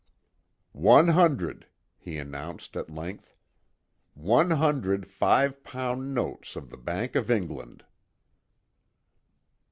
"One hundred," he announced, at length, "One hundred five pound notes of the Bank of England."